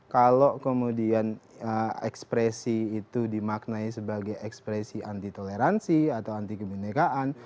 kalau kemudian ekspresi itu dimaknai sebagai ekspresi anti toleransi atau anti kebinekaan